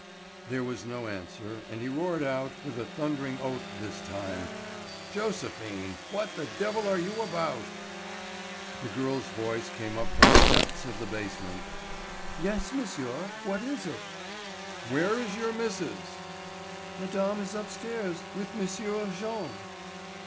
There was no answer, and he roared out, with a thundering oath this time: "Joséphine, what the devil are you about?" The girl's voice came up from the depths of the basement. "Yes, M'sieu—what is it?" "Where is your Miss'es?" "Madame is upstairs with M'sieu Jean."